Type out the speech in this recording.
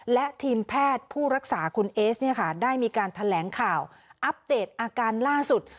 และทีมแพทย์ผู้รักษาคุณเอสเนี่ยค่ะได้มีการแถลงข่าวอัปเดตอาการล่าสุด